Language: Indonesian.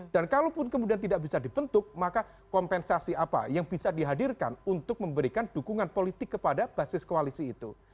dan kalaupun kemudian tidak bisa dipentuk maka kompensasi apa yang bisa dihadirkan untuk memberikan dukungan politik kepada basis koalisi itu